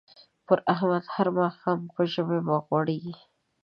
پر احمد هر ماښام په ژمي مخ غوړېږي.